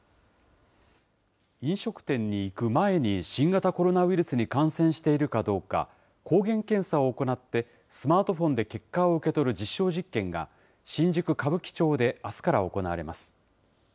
飲食店に行く前に新型コロナウイルスに感染しているかどうか、抗原検査を行って、スマートフォンで結果を受け取る実証実験が、新宿・歌舞伎町であすから行われます。